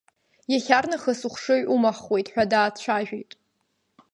Иахьарнахыс ухшыҩ умаҳхуеит ҳәа даацәажәеит.